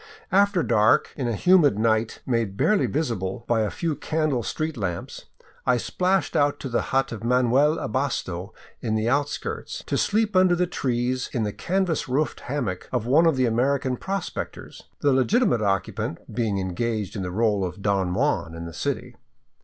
After dark, in a humid night made barely visible by a few candle street lamps, I splashed out to the hut of Manuel Abasto in the outskirts, to sleep under the trees in the canvas roofed hammock of one of the American prospectors, the legitimate occupant being engaged in the role of Don Juan in the city.